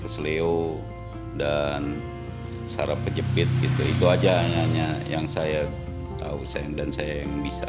sleo dan sarap kejepit gitu itu aja hanya yang saya tahu dan saya yang bisa